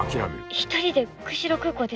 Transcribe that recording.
一人で釧路空港ですか？